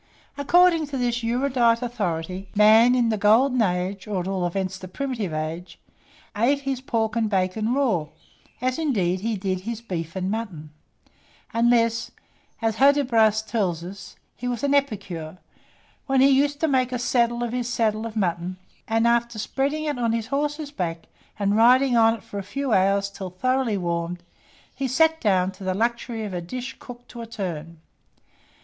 _ According to this erudite authority, man in the golden age, or at all events the primitive age, eat his pork and bacon raw, as, indeed, he did his beef and mutton; unless, as Hudibras tells us, he was an epicure, when he used to make a saddle of his saddle of mutton, and after spreading it on his horse's back, and riding on it for a few hours till thoroughly warmed, he sat down to the luxury of a dish cooked to a turn.